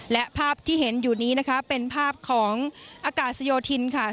และภาพที่เห็นอยู่นี้นะคะเป็นภาพของอากาศโยธินค่ะ